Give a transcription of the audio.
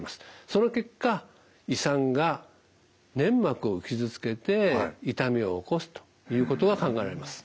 その結果胃酸が粘膜を傷つけて痛みを起こすということが考えられます。